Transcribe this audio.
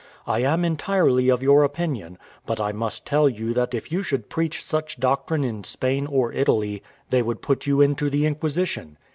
I am entirely of your opinion; but I must tell you that if you should preach such doctrine in Spain or Italy, they would put you into the Inquisition."